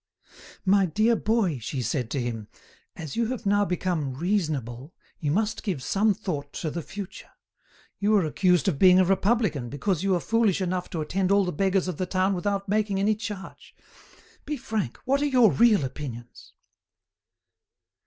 "My dear boy," she said to him, "as you have now become reasonable, you must give some thought to the future. You are accused of being a Republican, because you are foolish enough to attend all the beggars of the town without making any charge. Be frank, what are your real opinions?"